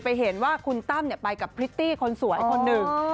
เห็นว่าคุณตั้มไปกับพริตตี้คนสวยคนหนึ่ง